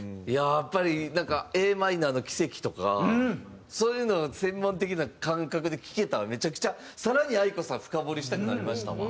やっぱりなんか「Ａｍの奇跡」とかそういうの専門的な感覚で聴けたらめちゃくちゃ更にａｉｋｏさん深掘りしたくなりましたわ。